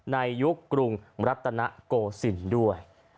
ในยุคกรุงรัตนโกศิลป์ด้วย